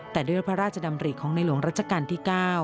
แต่ด้วยพระราชดำริของในหลวงรัชกาลที่๙